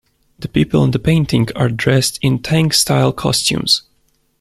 The people in the painting are dressed in Tang style costumes.